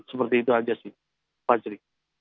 seperti itu saja sih pak ceri